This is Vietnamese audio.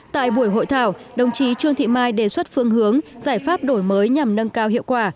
tại buổi hội thảo đồng chí trương thị mai đề xuất phương hướng giải pháp đổi mới nhằm nâng cao hiệu quả